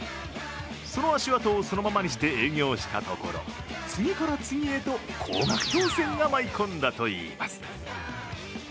その足跡をそのままにして営業したところ次から次へと高額当せんが舞い込んだといいます。